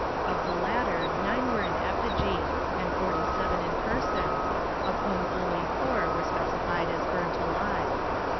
Of the latter nine were in effigy and 47 in person, of whom only four are specified as burnt alive.